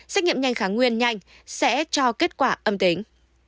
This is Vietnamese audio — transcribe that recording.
xét nghiệm nhanh kháng nguyên nhanh sẽ cho kết quả âm tính